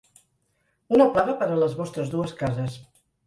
Una plaga per a les vostres dues cases